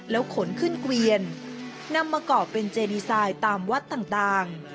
ขนขึ้นเกวียนนำมาเกาะเป็นเจดีไซน์ตามวัดต่าง